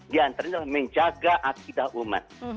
diantaranya adalah menjaga akidah umat